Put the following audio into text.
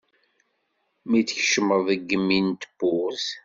Mi d-tkecmeḍ deg yimi n tewwurt.